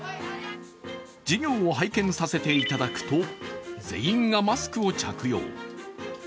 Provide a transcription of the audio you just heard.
授業を拝見させていただくと、全員がマスクを着用。